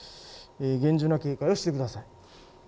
厳重な警戒をしてください。